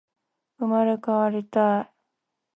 生まれ変わりたい